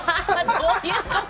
どういうこと！？